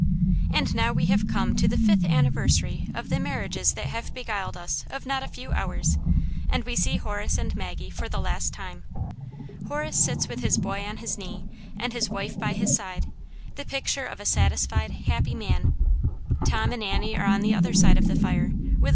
And now we have come to the fifth anniversary of the marriages that have beguiled us of not a few hours, and we see Horace and Maggie for the last time. Horace sits with his boy on his knee, and his wife by his side, the picture of a satisfied, happy man. 'Tom and Annie are on the other side of the fire, with